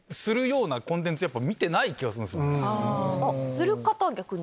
する方逆に。